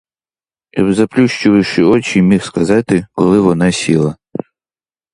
Я б заплющивши очі міг сказати, коли вона сіла.